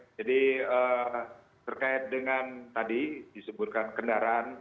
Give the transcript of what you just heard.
jadi terkait dengan tadi disebutkan kendaraan